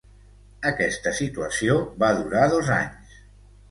Aquesta situació va durar dos anys.